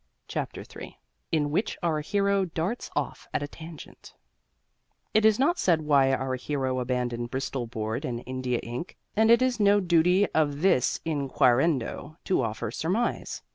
CHAPTER III (IN WHICH OUR HERO DARTS OFF AT A TANGENT) It is not said why our hero abandoned bristol board and india ink, and it is no duty of this inquirendo to offer surmise.